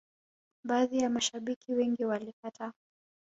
baadhi ya mashabiki wengine walikataa